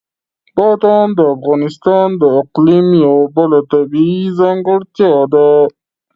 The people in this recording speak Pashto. بادام د افغانستان د اقلیم یوه بله طبیعي ځانګړتیا ده.